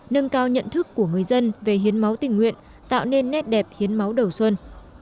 nâng cao nhận thức của người dân về hiến máu tình nguyện tạo nên nét đẹp hiến máu đầu xuân